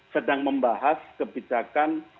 sedang membahas kebijakan